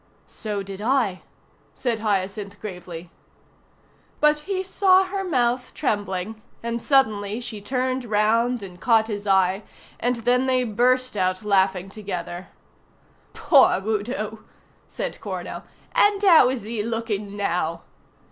"So did I," said Hyacinth gravely. But he saw her mouth trembling, and suddenly she turned round and caught his eye, and then they burst out laughing together. "Poor Udo," said Coronel; "and how is he looking now?"